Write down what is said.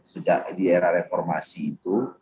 sejak di era reformasi itu